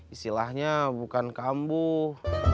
isilahnya bukan kambuh